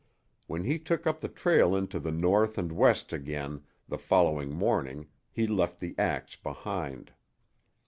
When he took up the trail into the north and west again the following morning he left the ax behind.